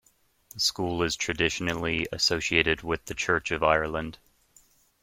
The school is traditionally associated with the Church of Ireland.